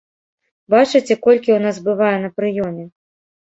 Бачыце, колькі ў нас бывае на прыёме?